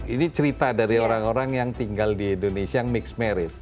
ini cerita dari orang orang yang tinggal di indonesia yang mix married